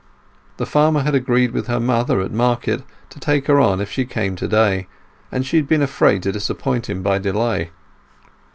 The farmer had agreed with her mother at market to take her on if she came to day, and she had been afraid to disappoint him by delay.